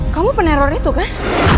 kamu peneror itu kan